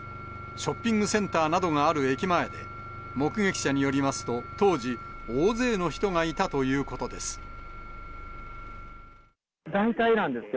ショッピングセンターなどがある駅前で、目撃者によりますと、当時、大勢の人がいたということです。